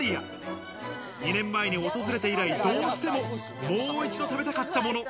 ２年前に訪れて以来、どうしてももう一度食べたかったもの。